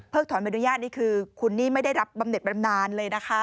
ถอนใบอนุญาตนี่คือคุณนี่ไม่ได้รับบำเน็ตบำนานเลยนะคะ